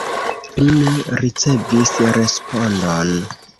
Li ne ricevis respondon.